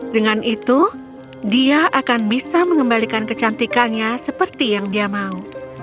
dengan itu dia akan bisa mengembalikan kecantikannya seperti yang dia mau